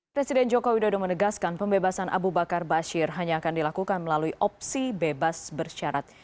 presiden joko widodo menegaskan pembebasan abu bakar bashir hanya akan dilakukan melalui opsi bebas bersyarat